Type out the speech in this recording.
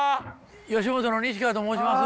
吉本の西川と申します。